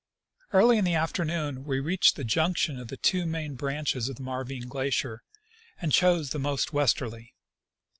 Early in the afternoon we reached the junction of the two main branches of the Marvine glacier, and chose the most westerly.